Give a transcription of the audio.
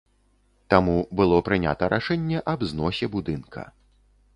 Таму было прынята рашэнне аб зносе будынка.